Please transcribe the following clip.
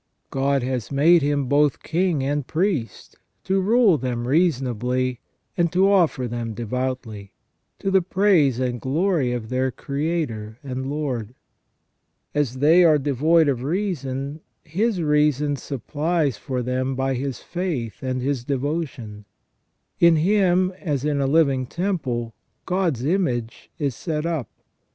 God has made him both king and priest, to rule them reasonably, and to offer them devoutly, to the praise and glory of their Creator and Lord. As they are devoid of reason, his reason supplies for them by his faith, and his devotion ; in him as in a living temple God's image is set up.